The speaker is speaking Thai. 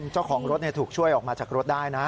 เจ้าของรถถูกช่วยออกมาจากรถได้นะ